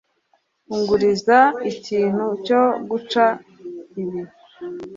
Unguriza ikintu cyo guca ibi.